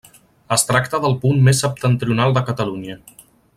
Es tracta del punt més septentrional de Catalunya.